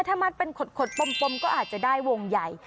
ถ้ามัดเป็นขดปมก็อาจจะได้วงใหญ่